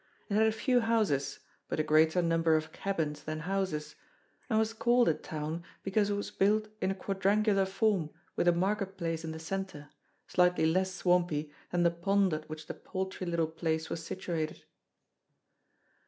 It had a few houses, but a greater number of cabins than houses, and was called a town, because it was built in a quadrangular form with a market place in the centre, slightly less swampy than the pond at which the paltry little place was situated.